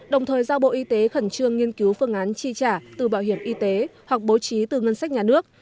đồng thời giao bộ y tế khẩn trương nghiên cứu phương án chi trả từ bảo hiểm y tế hoặc bố trí từ ngân sách nhà nước